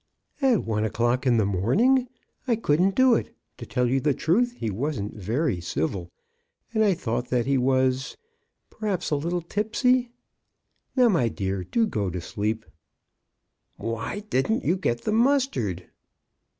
"At one o'clock in the morning! I couldn't do it. To tell you the truth, he wasn't very MRS. BROWN AITEMPTS TO ESCAPE. 35 civil, and I thought that he was — perhaps a little tipsy. Now, my dear, do go to sleep." Why didn't you get the mustard?